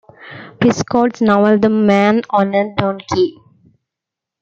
Prescott's novel "The Man on a Donkey".